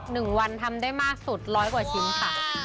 หนึ่งวันทำได้มากสุดร้อยกว่าชิ้นค่ะ